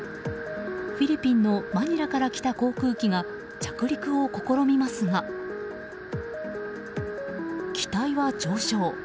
フィリピンのマニラから来た航空機が着陸を試みますが機体は上昇。